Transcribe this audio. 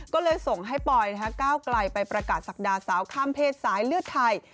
ก็เลยส่งให้ปอยก้าวไกลไปประกาศศักดาสาวข้ามเพศสายเลือดไทย